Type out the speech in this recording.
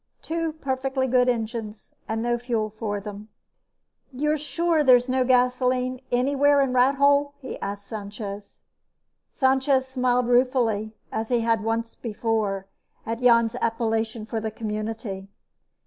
Two perfectly good engines, and no fuel for them. "You're sure there's no gasoline, anywhere in Rathole?" he asked Sanchez. Sanchez smiled ruefully, as he had once before, at Jan's appellation for the community.